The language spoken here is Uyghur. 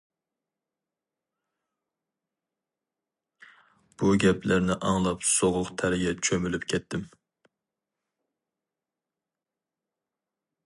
بۇ گەپلەرنى ئاڭلاپ سوغۇق تەرگە چۆمۈلۈپ كەتتىم.